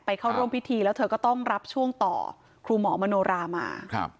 เข้าร่วมพิธีแล้วเธอก็ต้องรับช่วงต่อครูหมอมโนรามา